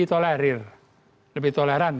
tolerir lebih toleran